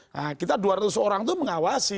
nah kita dua ratus orang itu mengawasi